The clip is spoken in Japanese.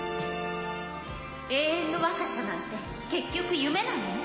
永遠の若さなんて結局夢なのね。